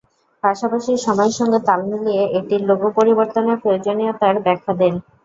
পাশাপাশি সময়ের সঙ্গে তাল মিলিয়ে এটির লোগো পরিবর্তনের প্রয়োজনীয়তার ব্যাখ্যা দেন।